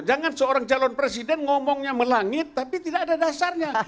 jangan seorang calon presiden ngomongnya melangit tapi tidak ada dasarnya